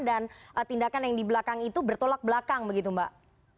dan tindakan yang di belakang itu bertolak belakang begitu mbak